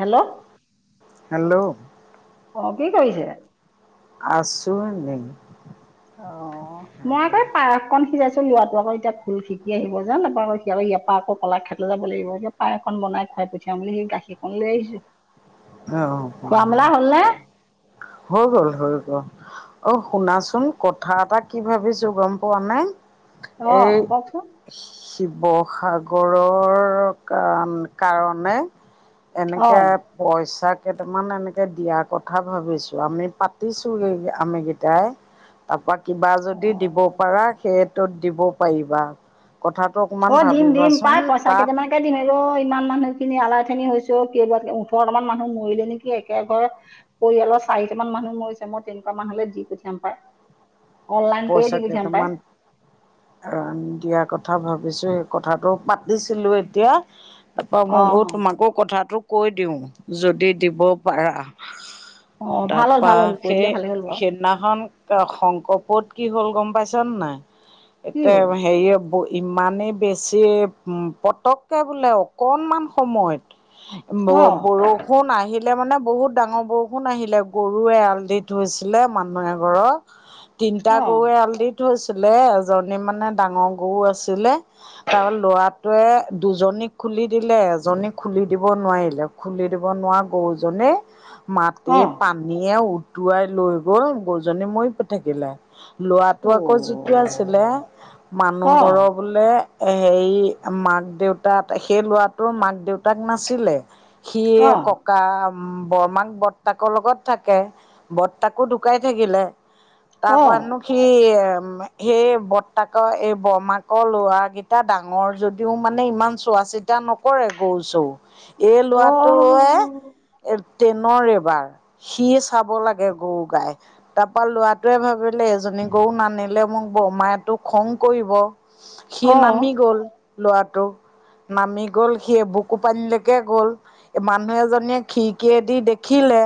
Hello! Hello! অঁ, কি কৰিছে? আছো এনেই। অঁ। মই আকৌ পায়সকণ সিজাইছো লৰাটো আকৌ এতিয়া ঢোল শিকি আহিব যোন নাপা সিয়াৰা আকৌ কলা খে- যাব লাগিব যে পায় এখন বনাই খুৱাই পঠিয়াম বুলি সেই গাখীৰকন লৈ আহিছো। হ'লনে অঁ। হৈ গল, হৈ গল। অঁ শুনাচোন কথা এটা কি ভাবিছো গম পোৱা নে? অঁ এই- কওকচোন শিৱসাগৰৰ কা কাৰণে- এনেকে অঁ পইচা কেইটামান এনেকে দিয়া কথা ভাবিছো। আমি পাতিছো আমি গিতাই তাপা- কিবা যদি দিব অঁ পাৰা সেইটোত দিব পাৰিবা। কথাটো অকণমান ভাবিবাচোন। তাত- একেদিন ৰ ইমান মানুহ খিনি আলাই আঠনি হৈছে অঁ কেইবা ওঠৰটামান মানুহ মৰিলে নেকি একে ঘৰ। পৰিয়ালৰ চাৰিটা মান মানুহ মৰিছে, মই তেনেকুৱা মানুহলৈ দি পঠিয়াম পায়। অনলাইন কৰি দি পঠিয়াম পায়। আ দিয়া কথা ভাবিছো, সেই কথাটো পাতিছিলো এতিয়া। তাৰপৰা মই ব অঁ তোমাকো কথাটো কৈ দিওঁ যদি দিব পাৰা। অঁ ভাল হ'ল তাপা ভাল হ'ল কৰি সে দিলে ভালেই হ'ল বাৰু সেই- সেইদিনাখন শংকৰ পুওত কি হ'ল গ'ম পাইছ ন নাই কি হ'ল এতিয়া হেৰিয়, ইমানেই বেছি পটককৈ বোলে অকণমান সময়ত ব বৰষুণ বৰষুণ আহিলে মানে বহুত ডাঙৰ বৰষুণ আহিলে গৰুৱে এৰাল দি থৈছিলে মানুহ এ ঘৰৰ এতা গৰুৱে এল দি থৈছিলে এজনী মানে ডাঙৰ গো আছিলে তাৰ ল'ৰাটোৱে দুজনীক খুলি দিলে এজনীক খুলি দিব নোৱাৰিলে খুলি দিব নোৱাৰা গৰুজনী মাটিৰ পানীয়ে উটুৱাই লৈ গ'ল গো জনী মৰি থাকিলে। লৰাটো আকৌ যিটো আছিলে মানুহ ঘৰৰ, বোলে হেৰি মাক দেউতা সেই ল'ৰাটোৰ মাক দেউতাক নাছিলে। সিয়ে কক বৰমাক বৰ্তাকৰ লগত থাকে বৰ্তাকো ঢুকাই থাকিলে ব নো [unintelligible] সি এ সেই বৰ্তাকৰ এই বৰমাকৰ লোৱা কেইটা ডাঙৰ যদি তেওঁ মানে ইমান চোৱা চিতা নকৰে গৰু চৰু এই ল'ৰাটোৱে এ ট্ৰেইনৰ এবাৰ সি চাব লাগে গৰু গাই তাপা লৰাটোৱে ভাবে বোলে এজনী গৰু নানিলে মোক বৰমাইটো খং কৰিব সি নামি গল লৰাটো নামি গ'ল সি এবুকু পানী লকে গ'ল মানুহ এজনীয়ে খিৰিকীয়েদি দেখিলে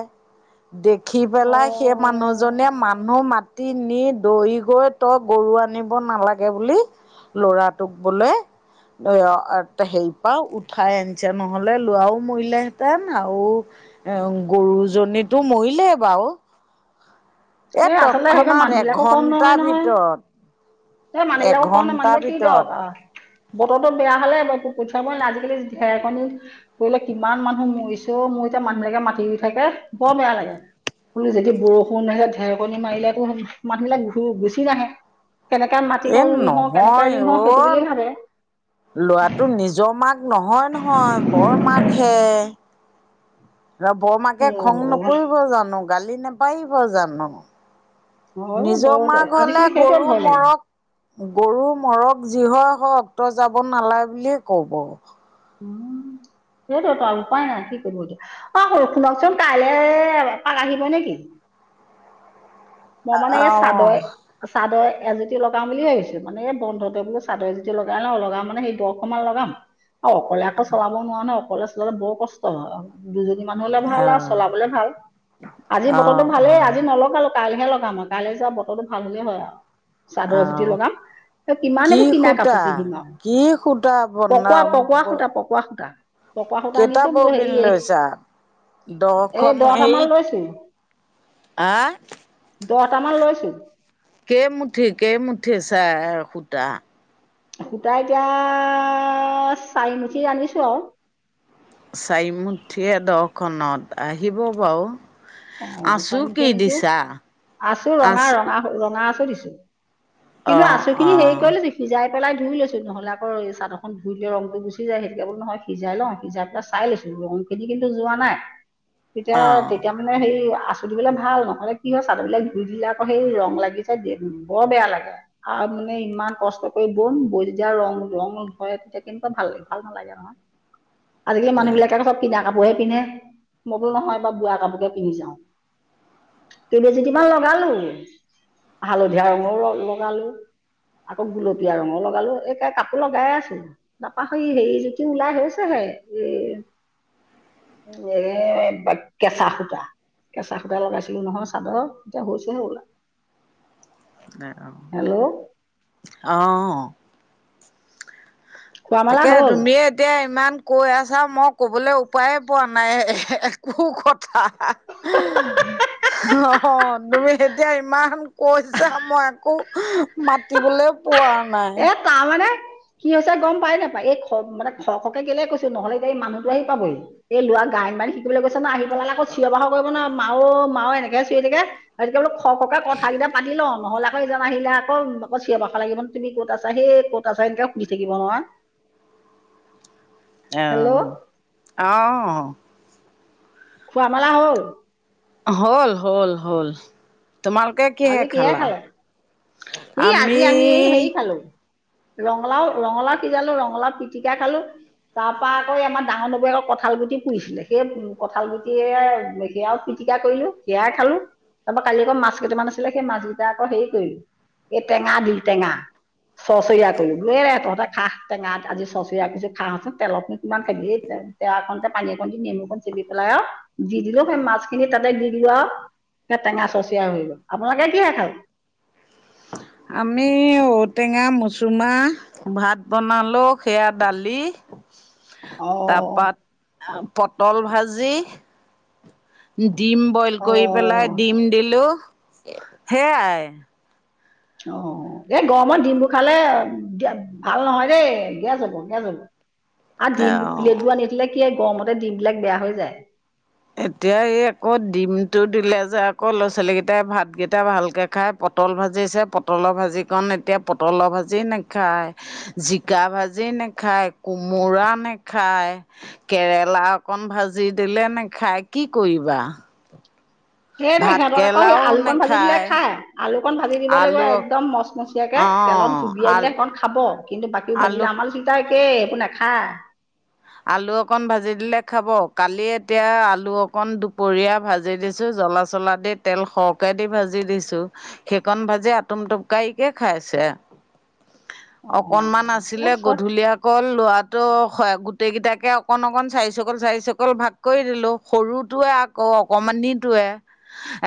দেখি অ। পেলাই সেই মানুহজনে মানুহ মাত তি নি দোৰি গৈ তই গৰু আনিব নালাগে বুলি ল'ৰাটোক বোলে এ হেৰি পা উঠাই আনিছে নহলে লোৱাও মৰিলেহেঁতেন আও এ গৰুজনীতো মৰিলেও বাও। এই আচলতে সেইে মানুহ বিলাকো কম নহয় নহয়। ভিতৰত এই মানুহ বিলাক কওঁ ন এঘণ্টাৰ মানুহক কি ভিতৰত দৰকাৰ। বতৰটো বেয়া হ'লে পঠিয়াব [unintelligible] আজিকালি ঢেৰেকণী কৰিলে কিমান মানুহ মৰিছে ও মোৰ এতিয়া মানুহবিলাকে মাতি দি থাকে বৰ বেয়া লাগে। বোলো যদি বৰষুণ আহে ঢেৰকণী মাৰিলেতো মানুহবিলাক গুচি নাহে। কেনেকে মাটি এ কণ ৰুই হওঁ কেনেকে নহয় ৰুই হওঁ ও সেইটো বুলিয়ে ভাবে লৰাটোৰ নিজৰ মাক নহয়, নহয় বৰ মাকহে বৰমাকে খং অ', নকৰিব জানো গালি নেপাৰিব জানোঁ হয় নিজৰ বহুত মাক হলে আজিকালি সেইটোৱে গৰু ভয় লাগে। মৰক গৰু মৰক যি হয় হওক তই যাব নালাগে বুলিয়ে কব। [inaudible] সেটো তোই উপায় নাই কি কৰিব দ অ', সো শুনকচোন কাইলৈ পাক আহিব নেকি? মই মানে এই আহ চাদই চাদৰ এজুতি লগাম বুলিয় ভাবিছোঁ মানে এই বন্ধতে বো চাদৰ এজুতি লগাই ন লগা মানে সেই দহশমান লগাম অ', অকলে আকৌ চলাব নোৱাৰা ন অকলে চলালে বৰ কষ্ট ও দুজনী মানুহলে ভাল আৰু আহ চলাবলে ভাল আজি বতৰটো আহ ভালেই আহ আজি নলও কাইলৈহে লগাম আৰু কাইলে যোৱা বতৰটো ভাল হলে হয় আৰু চাদৰ এজুতি আহ লগাম এ কিমান কি এইবোৰ কিনা সূতা কাপোৰ পিন্ধিম আৰু কি সূতা বনা পকোৱা পকোৱা সূতা পকোৱা সূতা পকুৱা সূতা কেইটা আনিছোঁ বোলো হেৰি ববিন লৈছা দহখন এই দহটামান হেৰিত লৈছুহি আহ দহটামান লৈছোঁ। কেই মুঠি কেইমুঠি চাৰ সূতা, সূতা এতিয়া চাৰিমুঠি আনিছো আৰু, চাই মুঠিয়ে দহ খনত আহিব বাৰু, অ আছো কি চাৰমুঠিয় দিছো দিছা আছো আছ ৰঙা ৰঙা ৰঙা আছো দিছো। অ কিন্তু আছো অ কিনি হেৰি কৰি লবি, সিজাই পেলাই ধুই লৈছোঁ নহলে আকো এই চাদৰখন ধুই তে ৰংটো গুচি যায় সেইটোকে বোল নহয় সিজাই লওঁ সিজাই পেলাই, চাই লৈছো ৰং খিনি কিন্তু যোৱা নাই তেতিয়া অ তেতিয়া, মানে হেৰি আচুটো দিলে বোলে ভাল নহ'লে কি হয় চাদৰ বিলাক ধুই দিলে আকৌ সেই ৰং লাগি যায় বৰ বেয়া লাগে। আৰু মানে ইমান কষ্ট কৰি বম, বৈ যদি আৰু ৰং ৰং নধৰে তেতিয়া কেনেকুৱা ভাল লাগে ভাল নালাগে আৰু, আজিকালি মানুহ বিলাকে চব কিনা কাপোৰহে পিন্ধে মই বোলে নহয় এইবাৰ বোৱা কাপোৰ কে, পিন্ধি যাওঁ, কেইবাজিতিমান লগালো। হালধীয়া ৰঙৰও লগালো। আকৌ গুলপিয়া ৰঙৰও লগালো, এই কাপোৰ লগাই এ আছো। তাপাহৰি হেৰি জুতি ওলাই হৈছে হে, এ বদ কেঁচা সূতা। কেঁচা সূতা লগাইছিলো নহয় চাদৰ এতিয়া হৈছেহে ওলা, নাই অ, হেল্ল' অ খোৱা মেলা তাকে হ'ল তুমিয়ে এতিয়া ইমান, কৈ আছা মই ক'বলৈ উপায়ে পোৱা নাই এ একো কথা আ, [unintelligible] অহ তুমি এতিয়া ইমান কৈছা মই একো, মাতিবলে পোৱা, নাই এ তাৰমানে, কি হৈছে গম পাই নাপাই এই খ মানে খ খ কে কেলে কৈছো নহ'লে এই মানুহটো আহি পাবহি। এই লৰা গাইয়ন বায়ন মান শিকিবলৈ গৈছো নহই আহি পেলাই আকৌ চিঞৰ বাখৰ কৰিব নহই মাও মাও এনেকেহে চিঞৰি থাকে। তাতকে বোলো খ খ কে কথা কেইটা পাতি লওঁ নহ'লে আকৌ সিজন আহিলে আকৌ চিঞৰ বাখৰ লাগিব ন, তুমি ক'ত আছা হে কত আছা এনেকে সুধি থাকিব নহই। অ হেল্ল' অ খোৱা মেলা হল? হল হ'ল হল, তোমাৰ এতিয়া কিহে আজি খালা? খালে ই আজি আমি হেৰি খালোঁ ৰঙালাও ৰঙালাও সিজালো ৰঙালাও পিটিকা খালো। তাৰ পা আকৌ আমাৰ ডাঙৰ নৌবৌয়েকে আকৌ কঁঠাল গুটি পুৰিছিলে সেই উ কঁঠাল গুটিয়ে সেয়া আৰু, পিটিকা কৰিলো সেয়াই খালো, তাৰ পৰা কালি আক মাছ, মা কেইটামান আছিলে সেই মাছ কেইটা আকৌ হেৰি কৰিলো এই টেঙা দিলো টেঙা। চচৰিয়া কৰিলো এ বোলো তহঁতে খাঁহ টেঙাত আজি চচৰিয়া কৰিছো খাঁচোন তেলত নু কিমান খাবি, তেখনতে পানী অকণ দি নেমু কন চেপি পেলাই আৰু দি দিলো সেই মাছখিনি তাতে দি দিলো আৰু, এ টেঙা চচিয়া হৈ গ'ল, আপোনালোকে কিহে খাই আমি ঔটেঙা, মচুমাহ, ভাত বনালো সেয়া দালি, অ তাৰপা পটল ভাজি, ডিম, বইল কৰি অ পেলাই ডিম দিলোঁ সেয়াই, অ এই গৰমত ডিমবোৰ খালে ভাল নহয় দেই গেছ হ'ব গেছ হ'ব। [inaudible] আৰু ডিম প্লেট বোৰ আনি থিলে কি গৰমতে ডিম বিলাক বেয়া হৈ যায়। এতিয়া এই আকৌ ডিমটো দিলে যে আকৌ ল'ৰা ছোৱালীকেইটাই ভাতকেইটা ভালকে। খাই পটল ভাজিছে পটলৰ ভাজিকণ এতিয়া পটলৰ ভাজি নাখায়। জিকা ভাজি নাখায় কোমোৰা নাখায়। কেৰেলা অকণ ভাজি দিলে নেখাই কি কৰিবা। সেইতে ভাত সিহঁতক আকৌ সি কেৰেলাও আলুকন ভাজি দিলে নাখায় খাই আলুকন ভাজি দিব লাগিব আলু একদম মচমস। তেতিয়াকে তেলত অ' জুবিয়াই আল দিলে সেইকখন খাব কিন্তু বাকী ভাজিলে আলু আমাৰাল চিতা একেই একো নাখায়। আলু অকণ ভাজি দিলে খাব কালি এতিয়া আলু অকণ দুপৰীয়া ভাজি দিছো জলা। মচলা দি তেল সৰহকে দি ভাজি দিছো। সেইকণ ভাজি আটুম-টুকাইকে খাইছে। অকনমান অ' আছিলে এই চব গধূলি আকৌ ল'ৰা টো। গোটেইকেইটাকে অকণ অকণ চাৰিচকল চাৰিচকল ভাগ কৰি দিলোঁ সৰুটোৱে আকৌ অকণমানিটোৱে।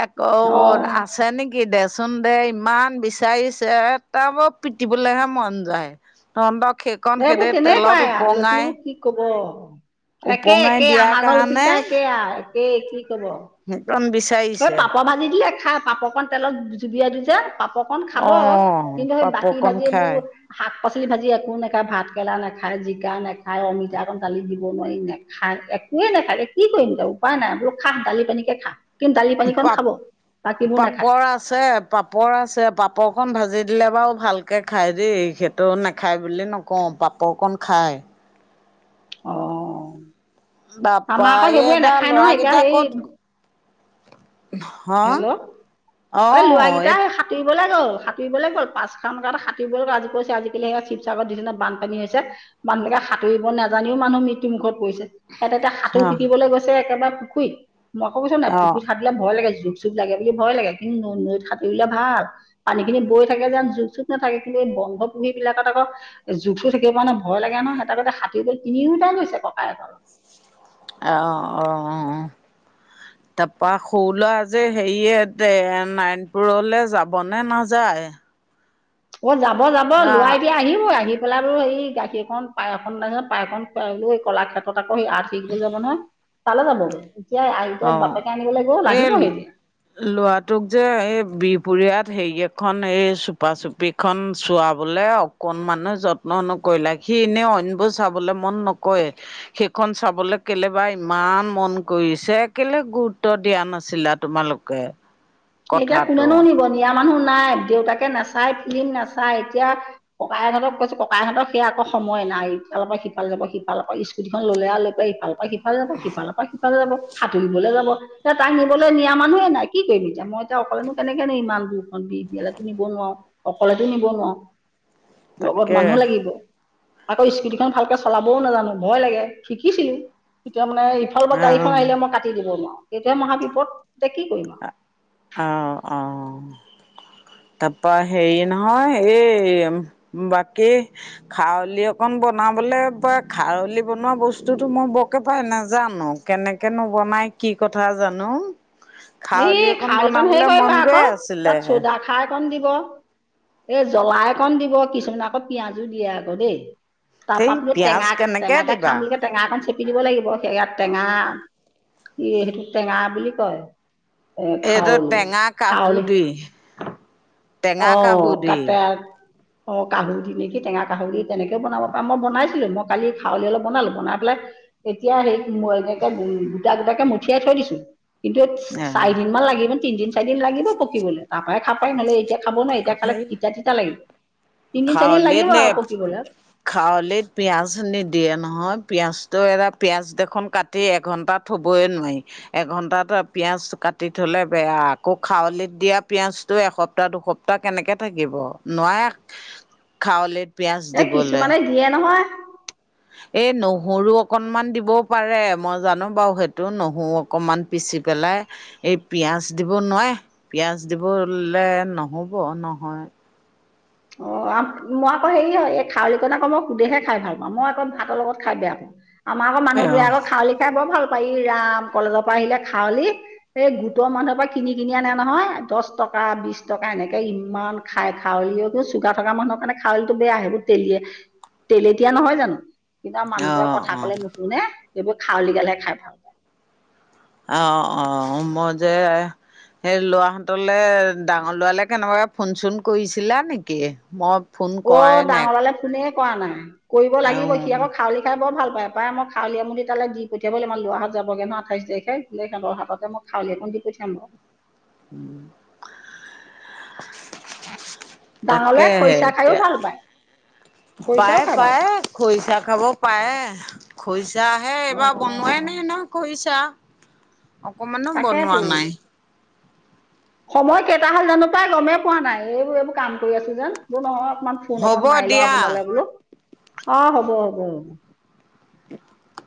এক ও। অ' আছে নেকি দেচোন দে ইমান বিচাৰিছে তাৰ ব পিটিবলৈহে মন যায়। তহত সেই। এইবোৰ কেনেকুৱাই ল'ৰা -ছোৱালীবোৰ কি ক'ব। একে উপঙাই একে দিয়াৰ আমাৰ ঘৰলৈৰ কাৰণে চিন্তা একে একে কি ক'ব। দম বিশ। ত পাপৰ ভাজি দিলে খাই পাপৰকণ তেলত জুবিয়াই দিছে পাপ। অকন খাব অ' কিন্তু সেই বাকী পাপৰকণ ভাজি খাই বোৰ। শাক -পাচলি ভাজি একো নেখায় ভাত কেৰাা নাখায় জিকা নেখায় অমিতা অকণ দালি দিব নোৱাৰি নেখায়। খাই একোৱে নাখাকে কি কৰিম এ উপায় নাই বোলো খা দালি পানী কে খা। কিন্তু দালি পানীকণ পাপ খাব বাকীবোৰ নাখায় পাপৰ আছে। পাপৰ আছে পাপৰখন ভাজি দিলে বাৰু ভালকৈ খায় দেই সেইটো নাখায় বুলি নকওঁ পাপ। পাপৰ কণ খায়। অ। বাপা আমাৰ আকৌ এই সেইবোৰে নাখায় ল'ৰা নহয় এতিয়া কেইটা সেই ক'ত। হা অ এট। সাঁতুৰিব লৈ গ'ল সাঁতুৰিব লৈ গ'ল পাঁচখম এটাত সাঁতুইবলৈ গছে আজি কৈছে আজিকালি সিহঁতে শিৱসাগৰ যিদিনা বানপানী হৈছে। মানুহকে সাঁতুব নাজানিও মানুহ মৃত্যুমুখত পৰিছে। ইতে এয়া সাঁতুৰি অ' শিকিবলৈ গৈছে একেবাই পুখুৰীত মই কৈছো নাই অ' পুখুৰী সাঁতুৰিলে ভয় লাগে। জুক- চুক লাগে বুলি ভয় লাগে কিন্তু নৈত সাঁতুৰিলে ভাল। পানী খিনি বৈ থাকে যেন জোক- চুক নাথাকে কিন্তু এই বন্ধ পুহী বিলাকত আকৌ। জোখটো থাকিব পৰা নে ভয় লাগে নহ সেইটাগতে হাতুৰাবলৈ গৈ তিনিও টা লৈ হৈছে ককাই কৰ লগত। আহ অ অ। তাৰপৰা সৰু ল আজি হেৰি সেতে নাৰায়ণপুৰলৈ যাবনে নাযায়। অ' যাব যাব না লআ এতিয়া আহিব আহিব। স পেলাই বো এ ই গাখীৰকখন পায় এ ব নাই পায় এক খুৱাইিলো কলা ক্ষেত্ৰ ত আকৌ সি আঁ শিকিবলৈ যাব নহয়। তালে যাব এতিয়া এতিয়া বাপেকে আনিবলৈ গ'ল আহিব সি। ল'ৰাটো ক যে এই বিহপুৰীয়াত হেৰি এখন এই চুপা চুপি। খন চোৱাবলৈ অকণমানো যত্ন নকৰিলে সি এনেই অন্যবোৰ চাবলৈ মন নকৰে। সেইখন চাবলৈ কেলেবা ইমান মন কৰিছে। কেলে গুৰুত্ব দিয়া নাছিলা তোমালোকে। এতিয়া কোনে কথাটো নো নিব নিয়া মানুহ নাই দেউতাকে নাচাই ফিলি্ম নাচায় এতিয়া। ককাই ইহঁতক কৈছো ককাইহঁতক সে আকৌ সময় নাই ইলপৰ সিফাল যাব সিফালক স্কুল। [unintelligible] সিফালপা যাব সিফালৰ পৰা সিফালে যাব সাঁতুৰিবলৈ যাব এ তাক নিবলৈ নিয়া মানুহে নাই কি কৰিবি এতিয়া মই এতিয়া অকলেনো কেনেকে ন ইমান দূৰখন বি [unintelligible] নিব নোৱাৰো অকলেতো নিব নোৱাৰো [inaudible] লগত মানুহ লাগিব আকৌ স্কুটিখন ভালকে চলাবও নাজানো ভয় লাগে শিকিছিলো তেতিয়া মানে সিফালৰ পৰা গাড়ীখন অ', আহিলে মই কাটি দিব নোৱাৰো সেইটোহে মহা বিপদ এতিয়া কি কৰিম আৰু অ অ তাপা হেৰি নহয় এই বাকী খাৰলি অকন বনাবলৈ প খাৰলি বনোৱা বস্তুতো মই বৰকে পাই নাজানো কেনেকেনো বনাই কি কথা জানো এ খাৰলি অকণ খাৰলিকণ হেৰি বনাবলৈ কৰিব মন গৈ আকৌ আছিলে তাত চৌদা খাৰ অকণ দিব এ জলা অকণ দিব কিছুমান আকৌ পিয়াঁজো দিয়ে আকৌ দেই সেই তপা পিয়াজ টেঙা কেনেকে টেঙাকে খাম দিবা বুলিহে টেঙা এখন চেপি দিব লাগিব সে ইয়াত টেঙা কি সেইটো টেঙা বুলি কয় এ এইটো খাওঁল টেঙা কাহু খাওল দি টেঙা অহ কাহু দি কাটে অ কাহুৰি নেকি টেঙা কাহুৰি তেনেকে বনাব পাৰ মই বনাইছিলো মই কালি খাৰলি অলপ বনালোঁ বনাই পেলাই এতিয়া সেই এনেকে উ গোটা গোটাকে মঠিয়াই থৈ দিছো কিন্তু চাৰিদিন মান লাগিব তিনদিন চাৰিদিন লাগিব পকিবলৈ তাপাহে খাব পাৰি নহ'লে এতিয়া খাব নোৱাৰি এতিয়া খালে সেই তিতা তিতা লাগিব তিন দিন চাৰিদিন লাগিব আৰু খাৰলিত পকিবলৈ খাৱলিত পিয়াঁজ নিদিয়ে নহয় পিয়াঁজটো এটা পিয়াজ দেখোন কাটি তি এঘণ্টা থ'বই নোৱাৰি এঘন্টা ত পিয়াঁজ কাটি থলে বেয়া আকৌ খাৱলিত দিয়া পিয়াঁজটো এসপ্তাহ দুসপ্তাহ ত কেনেকে থাকিব নোৱাৰে খাৱলিত পিয়াজ এ দিবলৈ কিছুমানে দিয়ে নহয় এই নহৰু অকণমান দিবও পাৰে মই জানো বাৰু সেইটো নহৰু অকণমান পিচি পেলাই এই পিয়াঁজ দিব নোৱাৰে পিয়াঁজ দিব হলে নহ'ব নহয় অ মই আকৌ হেৰি হয় এই খাউলীকণ আকৌ মই সুধেহে খাই ভাল পাওঁ মই আকৌ ভাতৰ লগত খাই বেয়া পাওঁ আমাৰ আকৌ অ মানুহটোৱে আকৌ খাউলি খাই বৰ ভাল পায় ই ৰাম কলেজৰ পৰা আহিলে খাৱলি এই গোটৰ মানুহৰ পৰা কিনি কিনি আনে নহয় দছ টকা বিছ টকা এনেকে ইমান খাই খাউলি ও টো চুগাৰ থকা মানুহৰ কাৰণে খাৱলিটো বেয়া সেইবোৰ তেলিয়া তেলতিয়া নহয় জানো কিন্তু আৰু মানুহটোৱে কথা অ অ কলে নুশুনে এইবোৰ খাউলি গালে খাই ভাল আহ অ মই যে সেই ল'ৰাহঁতলে ডাঙৰ ল'ৰালেকে কেনেবাকে ফোন চোন কৰিছিলা নেকি মই ফোন অ কৰাই নাই ডাঙৰ লৰালে ফোনে কৰা নাই কৰিব লাগিব সি অ'। আকৌ খাউলি খাই বৰ ভাল পায় [unintelligible] উম ডাঙৰলৰাই তাকেহে খৰিচা খায়ো এতিয়া ভাল পায় খৰিচাও পায় খাই ভাল পায় খৰিচা খাব পাৰে। খৰিচা হে এইবাৰ বনোৱাই অ' নাই নহয় খৰিচা খৰিচা অকমানো বনোৱা তাকেতো নাই। সময় কেইটা হল জানো প্ৰায় গমেই পোৱা নাই। এইবোৰ এইবোৰ কাম কৰি আছো যেন বোৰ নহয় অকমান ফোন হ'ব অকণ মাৰি লওঁ দিয়া। আপোনালে বোলো অ হ'ব হ'ব উম।